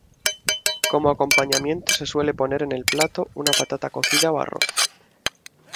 Como acompañamiento se suele poner en el plato una patata cocida o arroz.